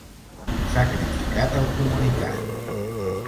S'ha criticat el comunicat.